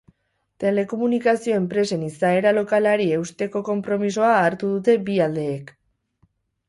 Telekomunikazio enpresen izaera lokalari eusteko konpromisoa hartu dute bi aldeek.